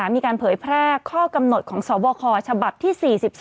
เผยแพร่ข้อกำหนดของสบคฉบับที่๔๒